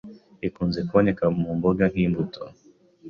ikunze kuboneka mu mboga n’imbuto.